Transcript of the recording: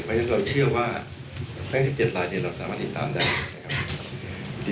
เพราะฉะนั้นเราเชื่อว่าทั้ง๑๗ลายเราสามารถติดตามได้นะครับ